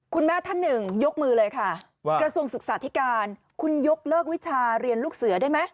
ท่านหนึ่งยกมือเลยค่ะว่ากระทรวงศึกษาธิการคุณยกเลิกวิชาเรียนลูกเสือได้ไหม